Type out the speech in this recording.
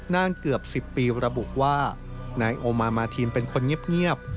นานเกือบ๑๐ปีระบุว่านายโอมามาทีนเป็นคนเงียบ